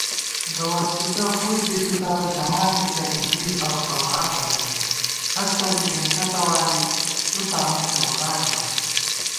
گوَرڅھِکہ فُس دِتِتہ، ژمانتِتہ انجیل اؤ توراتہ نُن * ہستہ بی گېنٹہ تواری تُوتانُوچوکاٹہ نُن